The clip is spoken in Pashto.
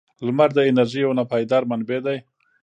• لمر د انرژۍ یو ناپایدار منبع دی.